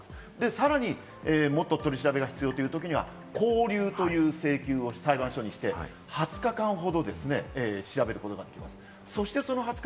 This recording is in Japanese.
さらにもっと取り調べが必要というときには勾留という請求を裁判所にして、２０日間ほどですね、調べることができます。